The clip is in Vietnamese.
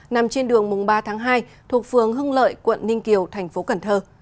nằm trên đường mùng ba tháng hai thuộc phường hưng lợi quận ninh kiều thành phố cần thơ